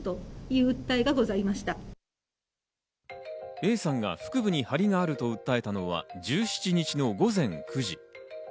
Ａさんが腹部に張りがあると訴えたのは１７日の午前９時。